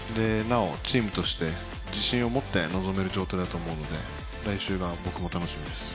チームとして自信を持って臨める状態だと思うので来週が僕も楽しみです。